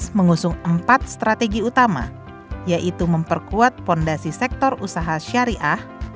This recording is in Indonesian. isaf dua ribu delapan belas mengusung empat strategi utama yaitu memperkuat fondasi sektor usaha syariah